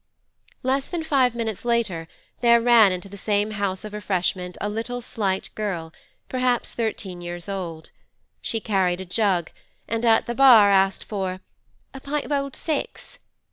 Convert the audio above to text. Less than five minutes later there ran into the same house of refreshment a little slight girl, perhaps thirteen years old; she carried a jug, and at the bar asked for 'a pint of old six.